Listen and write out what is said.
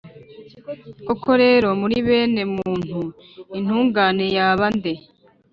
Koko rero, muri bene muntu intungane yaba nde?